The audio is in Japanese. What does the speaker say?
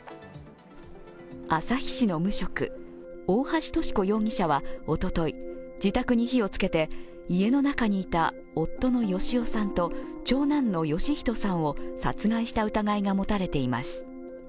旭市の無職、大橋とし子容疑者はおととい自宅に火をつけて、家の中にいた夫の芳男さんと長男の芳人さんを殺害した疑いが持たれています。